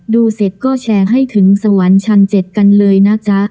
ดูเสร็จก็แชร์ให้ถึงสวรรค์ชั้น๗กันเลยนะจ๊ะ